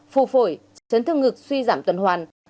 phù phổi chấn thương ngực suy giảm tuần hoàn